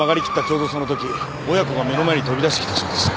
ちょうどその時親子が目の前に飛び出してきたそうです。